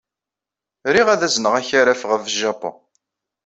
Riɣ ad azneɣ akaraf ɣef Japun.